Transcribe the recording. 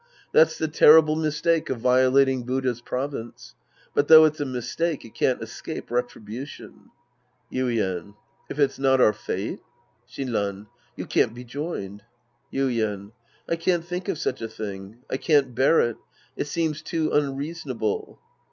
That's the terrible mistake of violating Buddha's province. But though it's a mistake, it can't escape retribution. Yiden. If it's not our fate ? Shinran. You can't be joined. Yuien. I can't think of such a thing. I can't bear it. It seems too unreasonable.